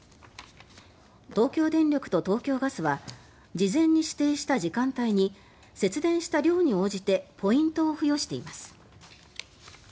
東京電力と東京ガスは事前に指定した時間帯に節電した量に応じてポイントを付与しています。